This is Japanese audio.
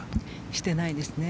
してないですね。